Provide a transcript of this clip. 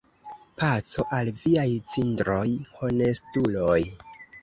Paco al viaj cindroj, honestuloj!